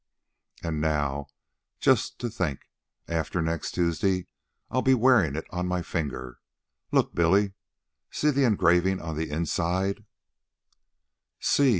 And now, just to think, after next Tuesday I'll be wearing it on my finger. Look, Billy, see the engraving on the inside."